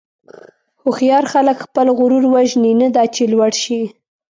هوښیار خلک خپل غرور وژني، نه دا چې لوړ شي.